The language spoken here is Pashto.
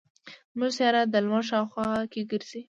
زمونږ سیاره د لمر شاوخوا ګرځي.